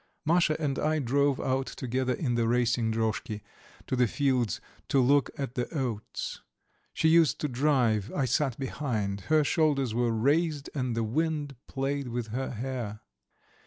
Masha and I drove out together in the racing droshky to the fields to look at the oats. She used to drive, I sat behind; her shoulders were raised and the wind played with her hair.